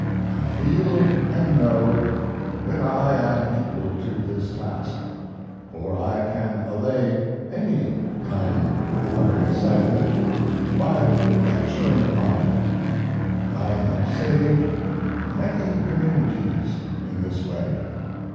I feel and know that I am equal to this task, for I can allay any kind of an excitement by lecturing upon it. I have saved many communities in this way.